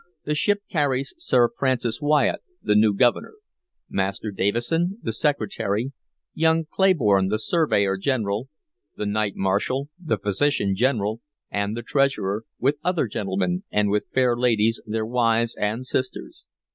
"The ship carries Sir Francis Wyatt, the new Governor; Master Davison, the Secretary; young Clayborne, the surveyor general; the knight marshal, the physician general, and the Treasurer, with other gentlemen, and with fair ladies, their wives and sisters.